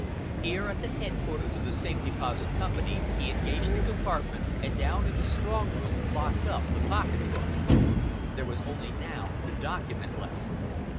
Here at the headquarters of the Safe Deposit Company he engaged a compartment, and down in the strong room locked up the pocket book. There was only now the document left.